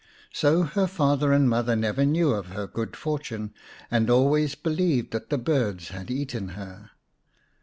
So her father and mother never knew of her good fortune, and always believed that the birds had eaten her.